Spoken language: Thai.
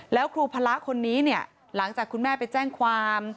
แล้วครูพระคนนี้เนี่ยหลังจากคุณแม่ไปแจ้งความ